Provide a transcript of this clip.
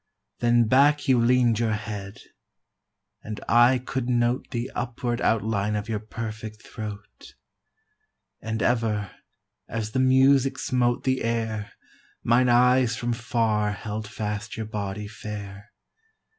Then back you lean'd your head, and I could note The upward outline of your perfect throat; And ever, as the music smote the air, Mine eyes from far held fast your body fair.